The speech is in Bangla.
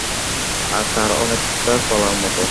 আকার অনেকটা কলার মতো।